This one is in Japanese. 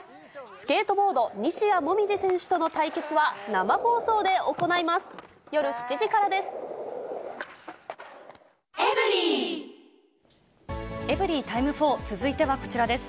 スケートボード、西矢椛選手との対決は、生放送で行います。